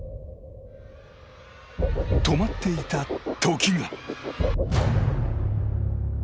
止まっていた時が。